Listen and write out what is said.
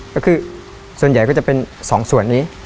ก็คือส่วนใหญ่ก็จะเป็น๒ส่วนนี้